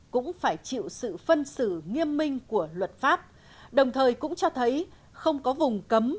cũng phải chịu sự phân xử nghiêm minh của luật pháp đồng thời cũng cho thấy không có vùng cấm